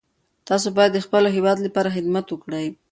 تاسو باید د خپل هیواد لپاره خدمت وکړئ.